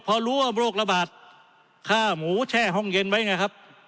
พอรู้ว่าโรคระบาดค่าหมูแช่ห้องเย็นไว้ไงครับ